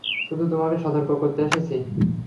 শুধু তোমাকে সতর্ক করতে এসেছি।